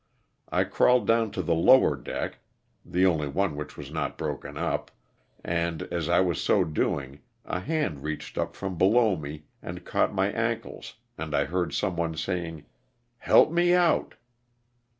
I crawled down to the lower deck (the only one which was not broken up) and, as I was so doing, a hand reached up from below me and caught my ankles and I heard some one saying, '' Help me out.